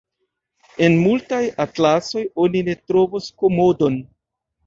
En multaj atlasoj oni ne trovos Komodon.